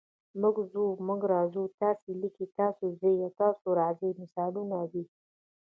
موږ ځو، موږ راځو، تاسې لیکئ، تاسو ځئ او تاسو راځئ مثالونه دي.